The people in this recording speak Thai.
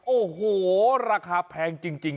โอ้โหราคาแพงจริง